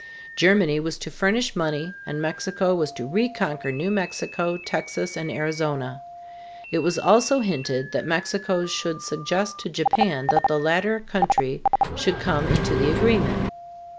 Germany was to furnish money and Mexico was to reconquer New Mexico, Texas, and Arizona. It was also hinted that Mexico should suggest to Japan that the latter country should come into the agreement.